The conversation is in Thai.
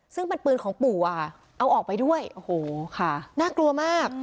ซึ่งเป็นปืนของปู่อะค่ะเอาออกไปด้วยโอ้โหค่ะน่ากลัวมาก